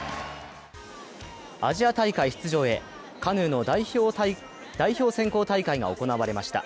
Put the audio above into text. アジア大会出場へ、カヌーの代表選考大会が行われました。